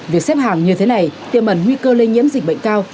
việc xếp hàng như thế này tiềm ẩn nguy cơ lây nhiễm dịch bệnh cao